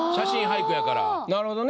なるほどね。